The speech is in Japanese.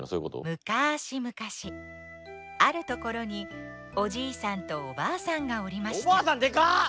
むかしむかしあるところにおじいさんとおばあさんがおりましたおばあさんデカ！